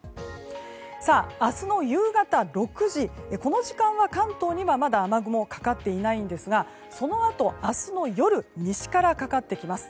明日の夕方６時この時間は関東にはまだ雨雲かかっていないんですがそのあと明日の夜西からかかってきます。